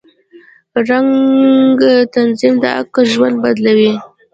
د رنګ تنظیم د عکس ژوند بدلوي.